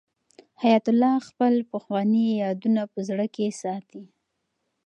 حیات الله خپل پخواني یادونه په زړه کې ساتي.